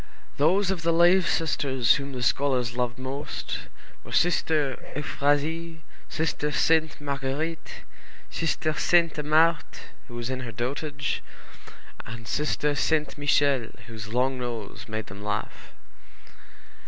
Those of the lay sisters whom the scholars loved most were Sister Euphrasie, Sister Sainte Marguérite, Sister Sainte Marthe, who was in her dotage, and Sister Sainte Michel, whose long nose made them laugh.